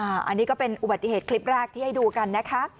อันนี้ก็เป็นอุบัติเหตุคลิปแรกที่ให้ดูกันนะคะ